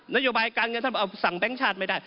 นโยบายการเงินท่านเอาสั่งแบงค์ชาติไม่ได้